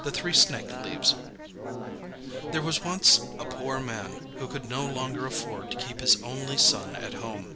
THE THREE SNAKE LEAVES There was once a poor man who could no longer afford to keep his only son at home.